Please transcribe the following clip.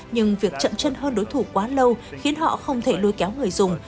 nhưng việc chậm chân hơn đối thủ quá lâu khiến họ không thể lôi kéo người dùng